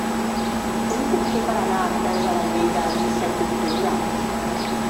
Com ho puc fer per anar a Artesa de Lleida el disset d'octubre?